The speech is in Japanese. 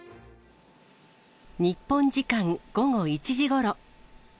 日本時間午後１時ごろ。